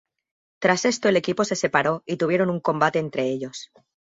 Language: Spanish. Tras esto el equipo se separó y tuvieron un combate entre ellos.